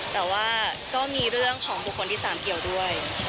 แต่ว่าก็มีเรื่องของบุคคลที่๓เกี่ยวด้วย